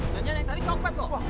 jangan yang tadi kaget loh